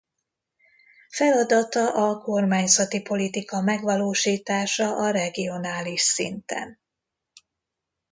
Feladata a kormányzati politika megvalósítása a regionális szinten.